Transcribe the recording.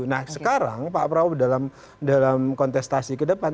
nah sekarang pak prabowo dalam kontestasi kedepan